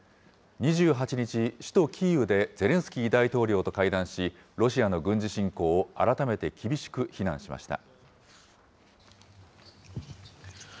２８日、首都キーウでゼレンスキー大統領と会談し、ロシアの軍事侵攻を改めて厳しく非難しました。